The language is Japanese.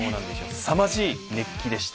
すさまじい熱気でした。